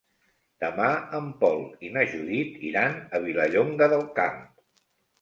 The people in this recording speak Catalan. Demà en Pol i na Judit iran a Vilallonga del Camp.